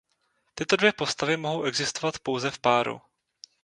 Tyto dvě postavy mohou existovat pouze v páru.